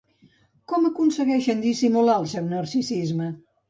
Com aconsegueixen dissimular el seu narcisisme?